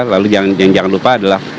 lalu jangan lupa adalah